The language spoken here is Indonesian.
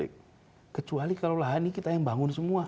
kecuali kalau lahan ini kita yang bangun semua